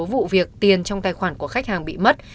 vụ việc tiền trong tài khoản của khách hàng bị mất